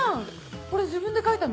これ自分で書いたの？